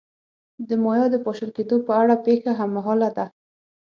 د مایا د پاشل کېدو په اړه پېښه هممهاله ده.